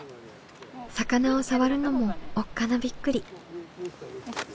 魚を触るのもおっかなびっくり。